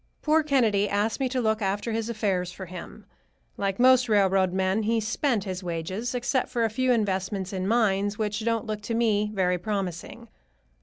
Poor Kennedy asked me to look after his affairs for him. Like most railroad men he spent his wages, except for a few investments in mines which don't look to me very promising.